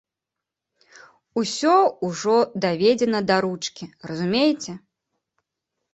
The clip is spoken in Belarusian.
Усё ўжо даведзена да ручкі, разумееце.